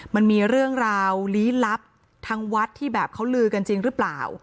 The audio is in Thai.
มันมีเรื่องราวลี้ลับทางวัดที่แบบเขาลือกันจริงหรือเปล่า